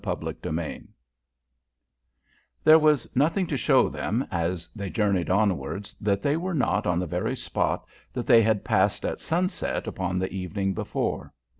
CHAPTER VII There was nothing to show them as they journeyed onwards that they were not on the very spot that they had passed at sunset upon the evening before.